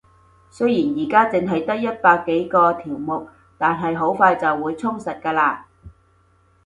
雖然而家淨係得一百幾個條目，但係好快就會充實㗎喇